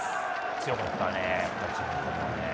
強かったね。